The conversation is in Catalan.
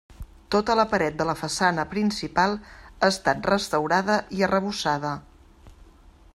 Tota la paret de la façana principal ha estat restaurada i arrebossada.